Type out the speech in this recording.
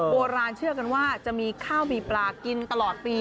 โบราณเชื่อกันว่าจะมีข้าวมีปลากินตลอดปี